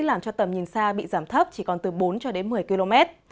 làm cho tầm nhìn xa bị giảm thấp chỉ còn từ bốn cho đến một mươi km